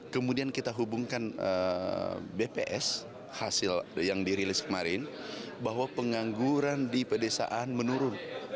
kemudian kita hubungkan bps hasil yang dirilis kemarin bahwa pengangguran di pedesaan menurun